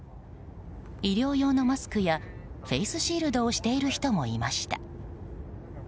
医療用のマスクやフェースシールドをしている人もいました。